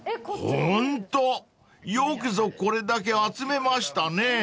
［ホントよくぞこれだけ集めましたね］